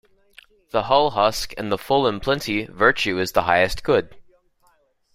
The hull husk and the full in plenty Virtue is the highest good.